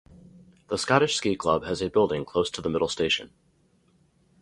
The Scottish Ski Club has a building close to the middle station.